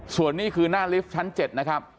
ส่วนนี้คือหน้าลิฟท์ชั้น๗นะครับ